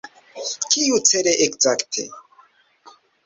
Kiucele ekzakte?